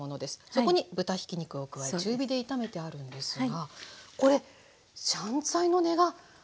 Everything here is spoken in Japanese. そこに豚ひき肉を加え中火で炒めてあるんですがこれ香菜の根が入るんですね